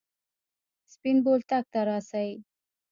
سپين بولدک ته راسئ!